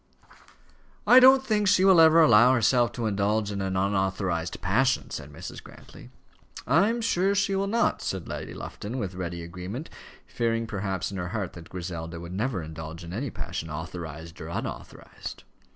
"I don't think she will ever allow herself to indulge in an unauthorized passion," said Mrs. Grantly. "I am sure she will not," said Lady Lufton, with ready agreement, fearing perhaps in her heart that Griselda would never indulge in any passion, authorized or unauthorized.